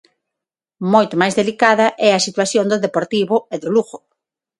Moito máis delicada é a situación do Deportivo e do Lugo.